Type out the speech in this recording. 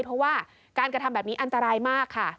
เพราะว่าการกระทำแบบนี้อันตรายมากค่ะ